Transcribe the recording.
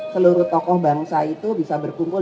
seluruh tokoh bangsa itu bisa berkumpul